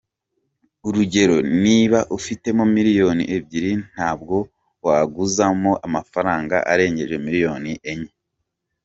Urugero niba ufitemo miliyoni ebyiri ntabwo waguzamo amafaranga arengeje miliyoni enye.